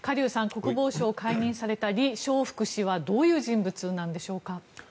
国防相を解任されたリ・ショウフク氏はどういう人物なんでしょうか。